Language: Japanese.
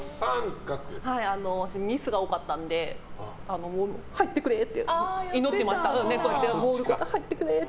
私、ミスが多かったので入ってくれ！って祈ってました。